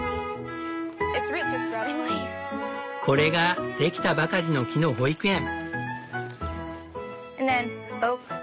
これができたばかりの木の保育園。